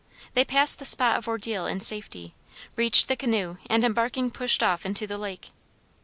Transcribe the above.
They passed the spot of ordeal in safety, reached the canoe and embarking pushed off into the lake.